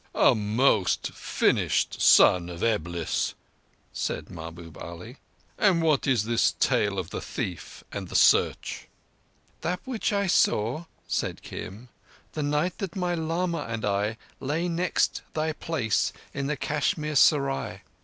"A most finished Son of Eblis," said Mahbub Ali. "But what is this tale of the thief and the search?" "That which I saw," said Kim, "the night that my lama and I lay next thy place in the Kashmir Seral.